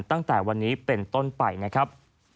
ตั้งแต่วันนี้เป็นต้นไปนะครับ